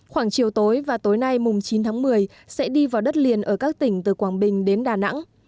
khoảng chiều tối và tối nay mùng chín tháng một mươi sẽ đi vào đất liền ở các tỉnh từ quảng bình đến đà nẵng